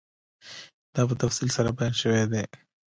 دا په تفصیل سره بیان شوی دی